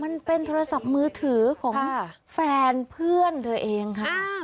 โทรศัพท์มือถือของแฟนเพื่อนเธอเองค่ะ